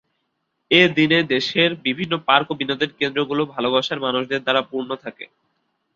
এ দিনে দেশের বিভিন্ন পার্ক ও বিনোদন কেন্দ্রগুলো ভালোবাসার মানুষদের দ্বারা পূর্ণ থাকে।